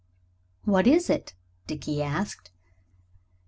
"What is it?" Dickie asked.